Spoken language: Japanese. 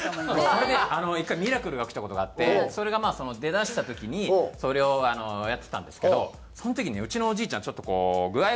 それで１回ミラクルが起きた事があってそれがまあ出だした時にそれをやってたんですけどその時ねうちのおじいちゃんちょっとこう具合